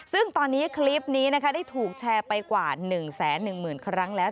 ซึ่งตอนนี้คลิปนี้นะคะได้ถูกแชร์ไปกว่า๑๑๐๐๐ครั้งแล้ว